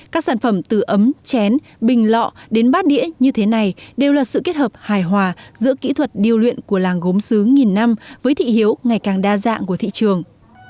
các sản phẩm từ ấm chén bình lọ đến bát đĩa như thế này đều là sự kết hợp hài hòa giữa kỹ thuật điều luyện của làng gốm xứ nghìn năm với thị hiếu ngày càng đa dạng của thị trường